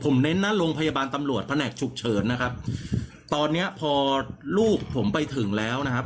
ผมเน้นหน้าโรงพยาบาลตำรวจแผนกฉุกเฉินนะครับตอนเนี้ยพอลูกผมไปถึงแล้วนะครับ